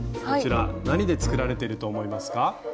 こちら何で作られてると思いますか？